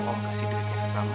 om kasih duitnya ke kamu